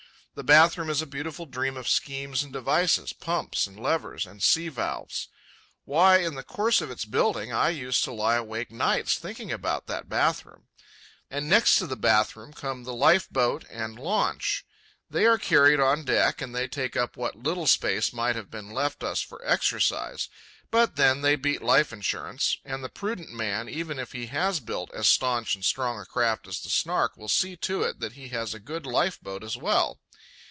The bath room is a beautiful dream of schemes and devices, pumps, and levers, and sea valves. Why, in the course of its building, I used to lie awake nights thinking about that bath room. And next to the bath room come the life boat and the launch. They are carried on deck, and they take up what little space might have been left us for exercise. But then, they beat life insurance; and the prudent man, even if he has built as staunch and strong a craft as the Snark, will see to it that he has a good life boat as well.